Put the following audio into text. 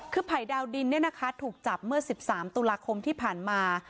คือภัยดาวดินถูกจับเมื่อ๑๓ตุลาคมที่ผ่านมา